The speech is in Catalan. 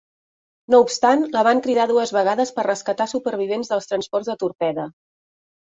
No obstant, la van cridar dues vegades per rescatar supervivents dels transports de torpede.